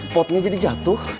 potnya jadi jatuh